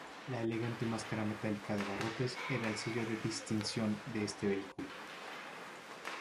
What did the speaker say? La elegante máscara metálica de barrotes era el sello de distinción de este vehículo.